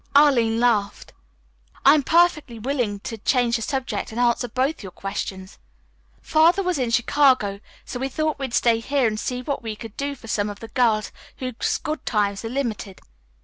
Arline laughed. "I am perfectly willing to change the subject and answer both your questions. Father was in Chicago, so we thought we'd stay here and see what we could do for some of the girls whose good times are limited.